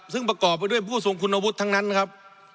ซึ่งประกอบไปด้วยผู้ทรงคุณวุฒิทั้งนั้นครับ